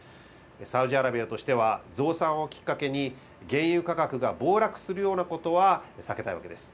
サウジアラビアとしては、増産をきっかけに、原油価格が暴落するようなことは避けたいわけです。